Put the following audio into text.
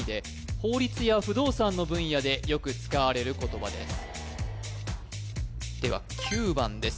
法律や不動産の分野でよく使われる言葉ですでは９番です